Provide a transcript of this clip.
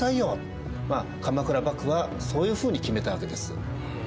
まあ鎌倉幕府はそういうふうに決めたわけです。